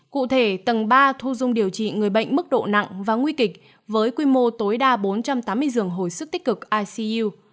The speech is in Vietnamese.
cụ thể tầng ba thu dung điều trị người bệnh mức độ nặng và nguy kịch với quy mô tối đa bốn trăm tám mươi giường hồi sức tích cực icu